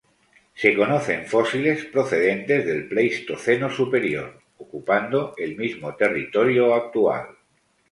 Se conocen fósiles procedentes del Pleistoceno Superior, ocupando el mismo territorio actual.